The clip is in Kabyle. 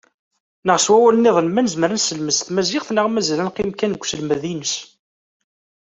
Neɣ s wawal-nniḍen, ma nezmer ad neselmed s tmaziɣt neɣ mazal ad neqqim kan deg uselmed-ines?